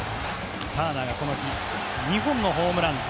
ターナーがこの日２本のホームラン。